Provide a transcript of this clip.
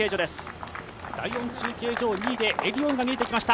第４中継所は２位でエディオンが見えてきました。